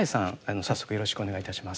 早速よろしくお願いいたします。